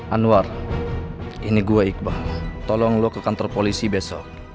anwar ini gue iqbal tolong lo ke kantor polisi besok